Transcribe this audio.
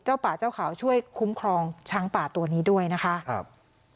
ป่าเจ้าเขาช่วยคุ้มครองช้างป่าตัวนี้ด้วยนะคะครับ